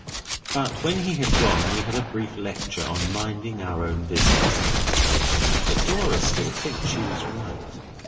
But when he had gone we had a brief lecture on minding our own business. But Dora still thinks she was right.